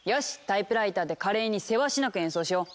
タイプライターで華麗にせわしなく演奏しよう！